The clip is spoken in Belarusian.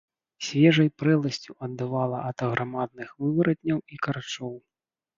Свежай прэласцю аддавала ад аграмадных вываратняў і карчоў.